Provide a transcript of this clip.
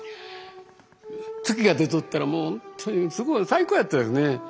月が出とったらもうすごい最高やったですね。